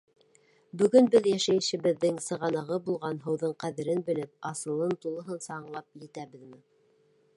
— Бөгөн беҙ йәшәйешебеҙҙең сығанағы булған һыуҙың ҡәҙерен белеп, асылын тулыһынса аңлап етәбеҙме?